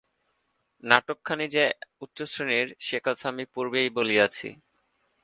নাটকখানি যে উচ্চশ্রেণীর সেকথা আমি পূর্বেই বলিয়াছি।